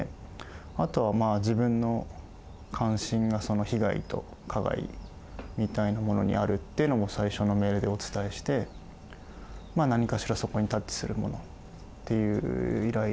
あとはまあ自分の関心が被害と加害みたいなものにあるっていうのも最初のメールでお伝えして何かしらそこにタッチするものっていう依頼でしたね。